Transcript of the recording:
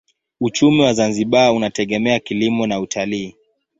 Uchumi wa Zanzibar unategemea kilimo na utalii.